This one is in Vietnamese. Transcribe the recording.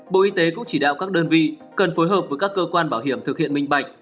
bộ y tế cũng chỉ đạo các đơn vị cần phối hợp với các cơ quan bảo hiểm thực hiện minh bạch